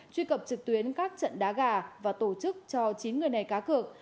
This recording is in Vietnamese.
truy cập trực tuyến các trận đá gà và tổ chức cho chín người này cá cược